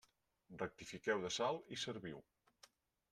Rectifiqueu de sal i serviu.